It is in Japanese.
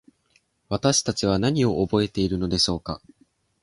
私たちは何を覚えているのでしょうか。